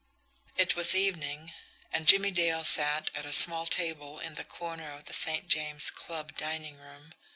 It was evening, and Jimmie Dale sat at a small table in the corner of the St. James Club dining room.